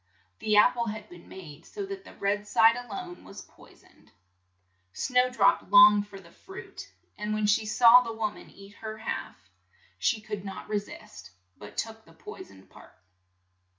The ap ple had been made so that the red side a lone was poi soned. Snow drop longed for the fruit, and when she saw the wom an eat her half, she could not re sist, but took the poi soned part.